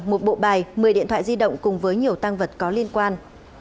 một bộ bài một mươi điện thoại di động cùng với nhiều tăng vật có liên quan